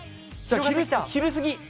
昼過ぎ。